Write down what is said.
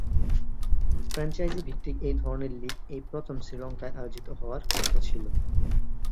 Franchise ভিত্তিক এই ধরনের লীগ এই প্রথম শ্রীলঙ্কায় আয়োজিত হওয়ার কথা ছিল।